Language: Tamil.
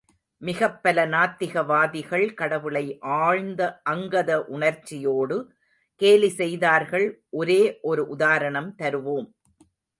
மிகப் பல நாத்திகவாதிகள் கடவுளை ஆழ்ந்த அங்கத உணர்ச்சியோடு கேலிசெய்தார்கள் ஒரே ஒரு உதாரணம் தருவோம்.